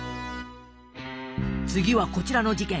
次はこちらの事件。